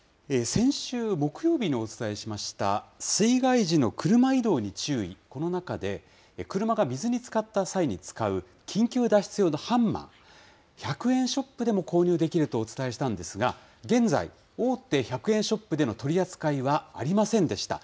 先週木曜日にお伝えしました、水害時の車移動に注意、この中で、車が水につかった際に使う緊急脱出用のハンマー、１００円ショップでも購入できるとお伝えしたんですが、現在、大手１００円ショップでの取り扱いはありませんでした。